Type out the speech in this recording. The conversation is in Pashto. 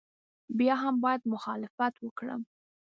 بیا هم باید مخالفت وکړم.